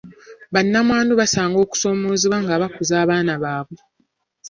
Bannamwandu basanga okusoomoozebwa nga bakuza abaana baabwe.